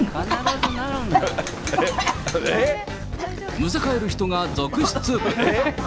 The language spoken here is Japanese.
むせ返る人が続出。